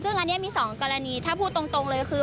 ซึ่งอันนี้มี๒กรณีถ้าพูดตรงเลยคือ